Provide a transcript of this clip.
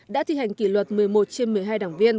đã thi hành kỷ luật một mươi một trên một mươi hai đảng viên